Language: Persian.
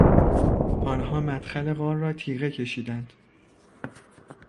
آنها مدخل غار را تیغه کشیدند.